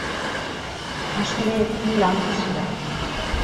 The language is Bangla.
আসলে, ক্লান্ত ছিলাম।